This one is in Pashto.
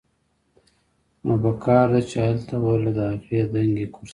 نو پکار ده چې هلته ورله د هغې دنګې کرسۍ